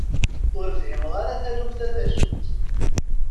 Ur fhimeɣ ara taluft-a d acu-tt.